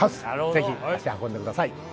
ぜひ足を運んでみてください。